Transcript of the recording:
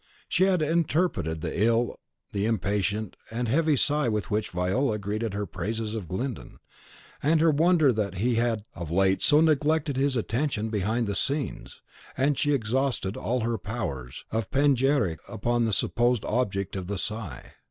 She interpreted ill the impatient and heavy sigh with which Viola greeted her praises of Glyndon, and her wonder that he had of late so neglected his attentions behind the scenes, and she exhausted all her powers of panegyric upon the supposed object of the sigh.